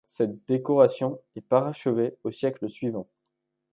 Cette décoration est parachevée au siècle suivant.